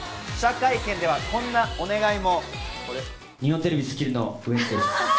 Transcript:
記者会見ではこんなお願いも。